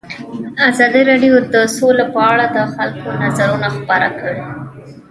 ازادي راډیو د سوله په اړه د خلکو نظرونه خپاره کړي.